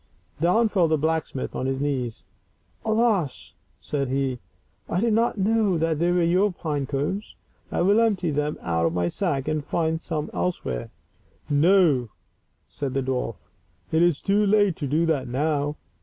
Down fell the blacksmith on his knees. " Alas !" said he, " I did not know that they were your pine cones. I will empty them out of my sack and find some elsewhere." 3o8 THE BEST THAT LIFE HAS TO GIVE. " No/* said the dwarf, " it is too late to do that now.